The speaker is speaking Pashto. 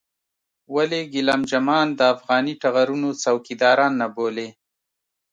ولې ګېلم جمان د افغاني ټغرونو څوکيداران نه بولې.